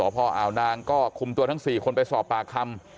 พออาวนางก็คุมตัวทั้ง๔คนไปสอบปากคำ